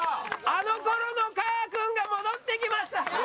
あの頃のかーくんが戻ってきました。